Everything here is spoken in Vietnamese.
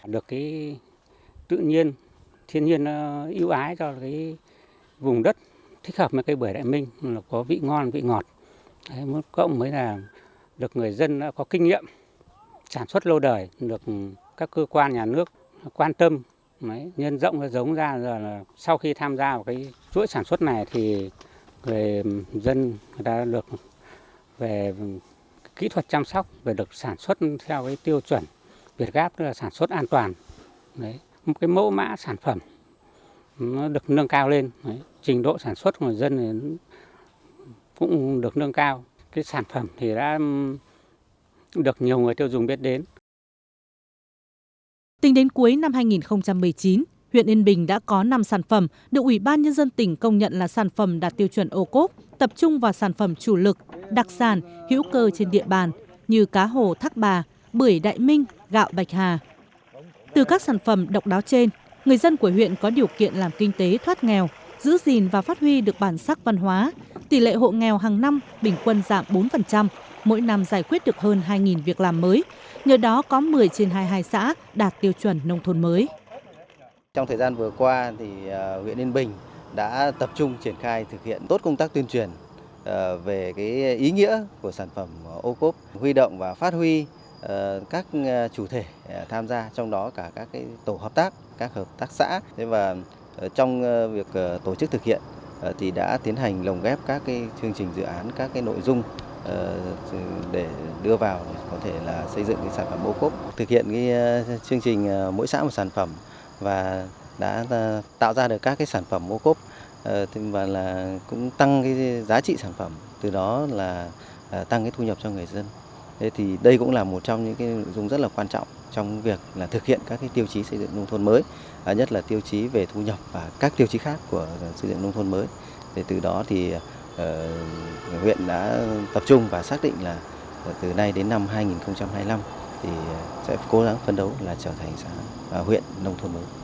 được triển khai từ năm hai nghìn một mươi tám chương trình mỗi xã phường một sản phẩm ô cốt đã tạo ra bước tiến mới mang tính đột phá trong sản xuất nông nghiệp tiểu thủ công nghiệp du lịch ở các địa phương góp phần đẩy nhanh tốc độ xóa đói giảm nghèo giúp nhiều hộ dân làm giàu thay đổi cuộc sống đồng thời giúp các địa phương trong tỉnh hoàn thành các tiêu chí đạt chuẩn nông nghiệp tiểu thủ công nghiệp du lịch ở các địa phương